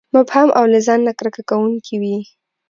مبهم او له ځان نه کرکه کوونکي وي.